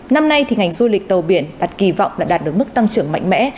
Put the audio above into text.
năm nay thì ngành du lịch tàu biển đặt kỳ vọng đã đạt được mức tăng trưởng mạnh mẽ